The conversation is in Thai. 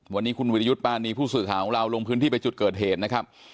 วันนี้คุณวิรยุทธ์ปานีผู้สื่อข่าวของเราลงพื้นที่ไปจุดเกิดเหตุนะครับ